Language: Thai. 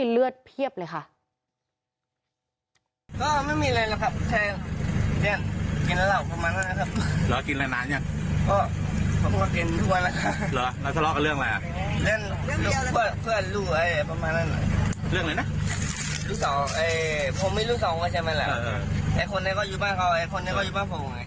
เลือดเพียบเลยค่ะ